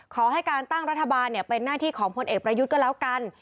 ขอให้การตั้งรัฐบาลเป็นหน้าที่ของพลเอกประยุทธ์ก็แล้วกัน